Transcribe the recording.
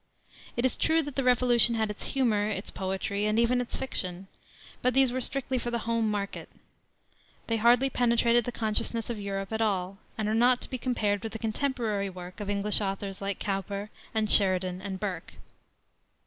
It is true that the Revolution had its humor, its poetry, and even its fiction; but these were strictly for the home market. They hardly penetrated the consciousness of Europe at all, and are not to be compared with the contemporary work of English authors like Cowper and Sheridan and Burke.